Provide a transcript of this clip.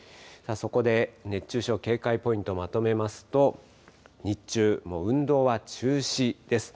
そこで熱中症警戒ポイントまとめますと、日中、運動は中止です。